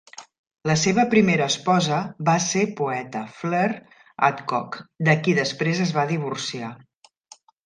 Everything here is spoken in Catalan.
La seva primera esposa va ser poeta, Fleur Adcock, de qui després es va divorciar.